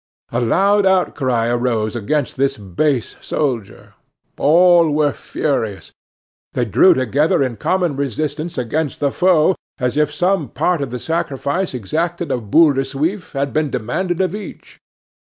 A loud outcry arose against this base soldier. All were furious. They drew together in common resistance against the foe, as if some part of the sacrifice exacted of Boule de Suif had been demanded of each.